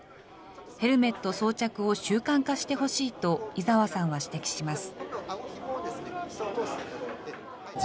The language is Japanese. ヘルメット装着を習慣化してほしいと、井澤さんは指摘します。